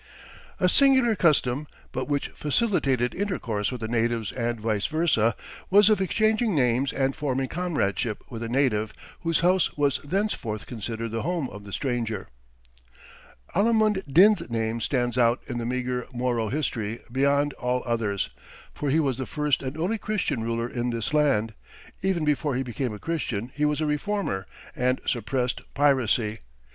"A singular custom, but which facilitated intercourse with the natives and vice versa, was of exchanging names and forming comradeship with a native, whose house was thenceforth considered the home of the stranger." Alimund Din's name stands out in this meager Moro history beyond all others, for he was the first and only Christian ruler in this land. Even before he became a Christian he was a reformer, and suppressed piracy.